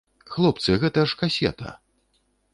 Хлопцы, гэта ж касета.